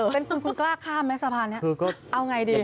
เป็นคุณคุณกล้าข้ามไหมสะพานนี้